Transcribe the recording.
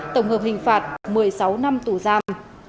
tổng hợp hình phạt một mươi sáu năm tù giam